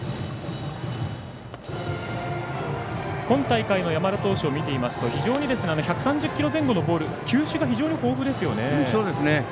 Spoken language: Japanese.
今大会の山田投手を見ていると非常に１３０キロ前後のボール球種が非常に豊富ですよね。